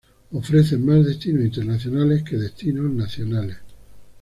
Ofrece más destinos internacionales que destinos nacionales.